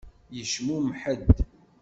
Yecmumeḥ-d.